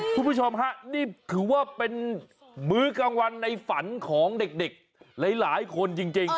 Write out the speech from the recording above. คุณผู้ชมฮะนี่ถือว่าเป็นมื้อกลางวันในฝันของเด็กหลายคนจริง